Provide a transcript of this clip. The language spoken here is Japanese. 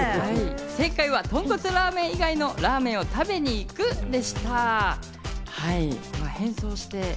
正解は、とんこつラーメン以外のラーメンを食べに行くでした。